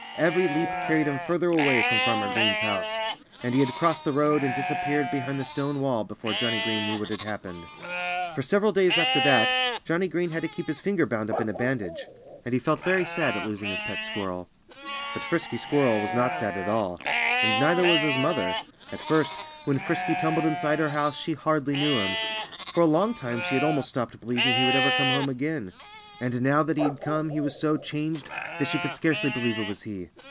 Every leap carried him further away from Farmer Green's house. And he had crossed the road and disappeared behind the stone wall before Johnnie Green knew what had happened. For several days after that Johnnie Green had to keep his finger bound up in a bandage. And he felt very sad at losing his pet squirrel. But Frisky Squirrel was not sad at all. And neither was his mother. At first, when Frisky tumbled inside her house she hardly knew him. For a long time she had almost stopped believing he would ever come home again. And now that he had come he was so changed that she could scarcely believe it was he.